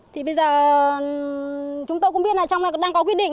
thì bây giờ chúng tôi cũng biết là trong này đang có quyết định